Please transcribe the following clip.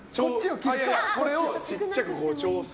これをちっちゃく調整。